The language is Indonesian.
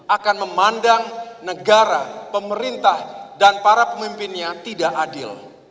akan memandang negara pemerintah dan para pemimpinnya tidak adil